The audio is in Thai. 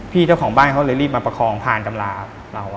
เจ้าของบ้านเขาเลยรีบมาประคองผ่านตำราครับเรา